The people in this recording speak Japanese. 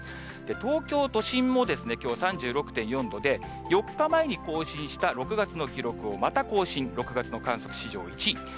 東京都心もきょうは３６．４度で、４日前に更新した６月の記録をまた更新、６月の観測史上１位。